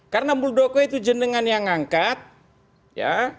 karena muldoko itu jenengan yang ngangkat ya